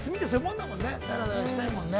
だらだらしたいもんね。